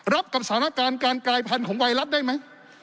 รับกับสถานการณ์การกายพันธุ์ของไวรัสได้ไหม